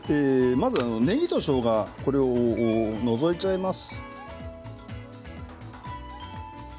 まずねぎとしょうがを除いちゃいます。